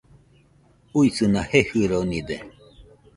Uisɨna jejɨronide